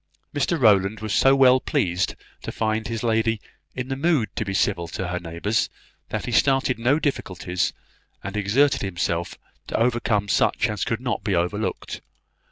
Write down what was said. Mr Rowland was so well pleased to find his lady in the mood to be civil to her neighbours, that he started no difficulties, and exerted himself to overcome such as could not be overlooked.